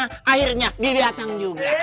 hah akhirnya didatang juga